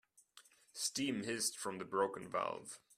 Steam hissed from the broken valve.